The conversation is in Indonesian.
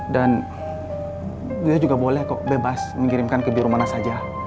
dan bu yoyo juga boleh kok bebas mengirimkan ke biru mana saja